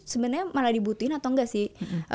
sebenarnya malah dibutuhin atau enggak sih